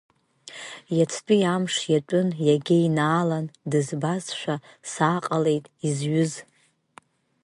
Иацтәи амш иатәын, иагьеинаалан, дызбазшәа сааҟалеит изҩыз.